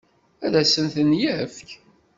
Ad asen-ten-yefk?